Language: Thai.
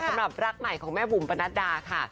สำหรับรักใหม่ของแม่บุ๋มปนัดดาค่ะ